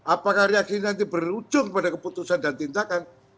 apakah reaksi ini nanti berujung pada keputusan dan tindakan